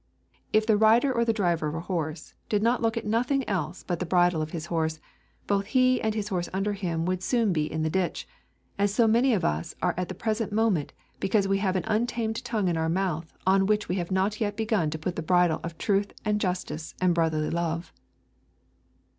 If the rider or the driver of a horse did not look at nothing else but the bridle of his horse, both he and his horse under him would soon be in the ditch, as so many of us are at the present moment because we have an untamed tongue in our mouth on which we have not yet begun to put the bridle of truth and justice and brotherly love.